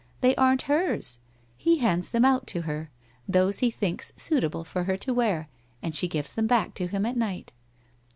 They aren't hers. He hands them out to her — those he thinks suitable for her to wear, and she gives them back to him at night.'